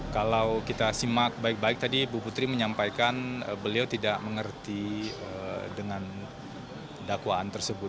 kalau kita simak baik baik tadi bu putri menyampaikan beliau tidak mengerti dengan dakwaan tersebut